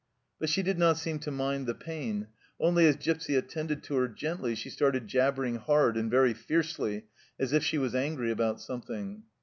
But she did not seem to mind the pain ; only as Gipsy attended to her gently she started jabbering hard and very fiercely, as if she was angry about something.